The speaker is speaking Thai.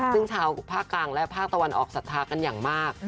ซึ่งชาวภาคกลางและภาคตะวันออกสัทธากันอย่างมาก